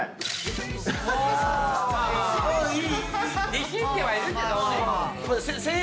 力んではいるけど。